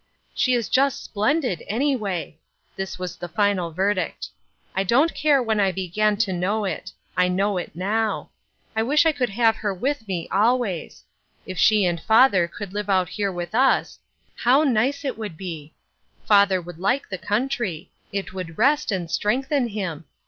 *' She is just splendid, anyway !" This was the final verdict. " I don't care when I began to know it; I know it now. I wish I could have her with me always. If she and father could live out here with us, how nice it would " Bitter Sweetr 381 be ! Father would like the country ; it would rest and strengthen him.